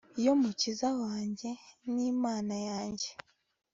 yo mukiza wanjye n'imana yanjye